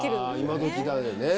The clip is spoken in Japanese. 今どきだよね。